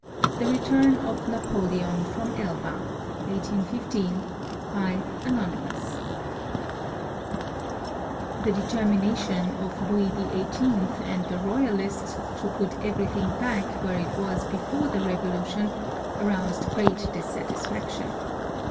THE RETURN OF NAPOLEON FROM ELBA [i8isl ANONYMOUS [The determination of Louis XVIII and the Royalists to put everything back where it was before the Revolution aroused great dissatisfaction.